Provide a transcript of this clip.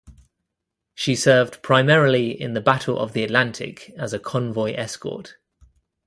She served primarily in the Battle of the Atlantic as a convoy escort.